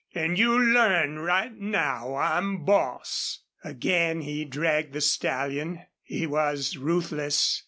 An' you learn right now I'm boss!" Again he dragged the stallion. He was ruthless.